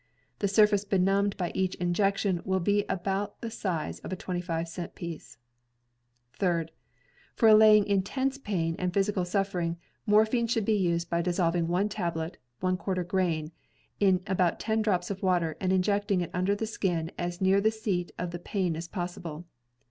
The surface benumbed by each injection will be about the size of a 25 cent piece. THIRD — For allaying intense pain and physical suffering morphin should be used by dissolving one tablet (one quarter grain) in about ten drops of water and injecting it under the skm as near the seat of the pain as possible.